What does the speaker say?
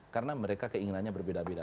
karena mereka keinginannya berbeda beda